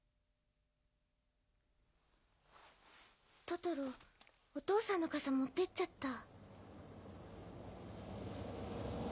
トトロお父さんの傘持ってっちゃった。